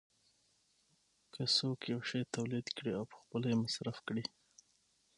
که څوک یو شی تولید کړي او پخپله یې مصرف کړي